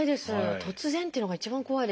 突然っていうのが一番怖いですね。